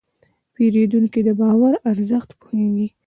پیرودونکی د باور ارزښت پوهېږي.